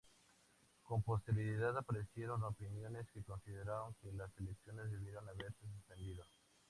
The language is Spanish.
Con posterioridad aparecieron opiniones que consideraron que las elecciones debieron haberse suspendido.